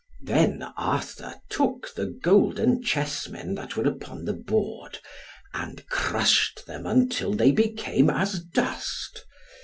Then Arthur took the golden chessmen that were upon the board, and crushed them until they became as dust.